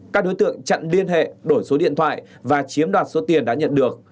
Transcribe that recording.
các đối tượng chặn liên hệ đổi số điện thoại và chiếm đoạt số tiền đã nhận được